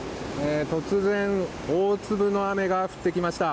突然、大粒の雨が降ってきました。